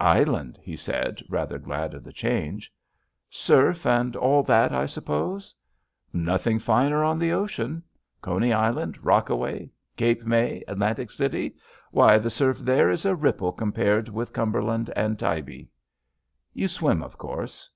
Island," he said, rather glad of the change. "Surf, and all that, I suppose?" "Nothing finer on the ocean. Coney Island, Rockaway, Cape May, Atlantic City — ^why, the surf there is a ripple compared with Cum berland and Tybee." "You swim, of course."